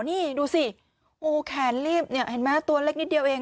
นี่ดูสิแขนรีบเนี่ยเห็นไหมตัวเล็กนิดเดียวเอง